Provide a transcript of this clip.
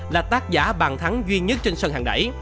là tác giả bàn thắng duy nhất trên sân hàng đẩy